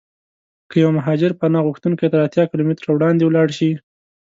که یو مهاجر پناه غوښتونکی تر اتیا کیلومترو وړاندې ولاړشي.